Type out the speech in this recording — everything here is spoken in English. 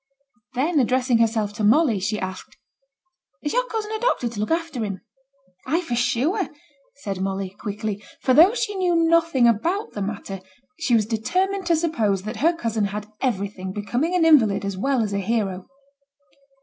Then, addressing herself to Molly, she asked, 'Has your cousin a doctor to look after him?' 'Ay, for sure!' said Molly, quickly; for though she knew nothing about the matter, she was determined to suppose that her cousin had everything becoming an invalid as well as a hero.